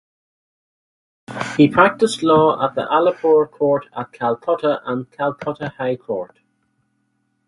He practiced law at the Alipore Court at Calcutta and Calcutta High Court.